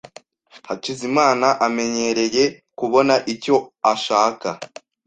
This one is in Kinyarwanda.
Hakizimana amenyereye kubona icyo ashaka.